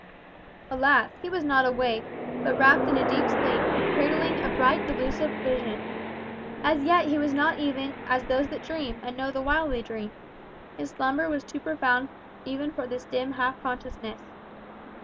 Alas! he was not awake, but wrapped in a deep sleep, and cradling a bright delusive vision. As yet he was not even "as those that dream, and know the while they dream." His slumber was too profound even for this dim half consciousness.